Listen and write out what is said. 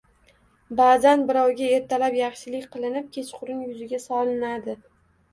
Ba'zan birovga ertalab yaxshilik qilinib, kechqurun yuziga solinadi.